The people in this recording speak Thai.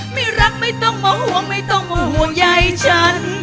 ไม่รักไม่ต้องมาห่วงไม่ต้องมาห่วงใยฉัน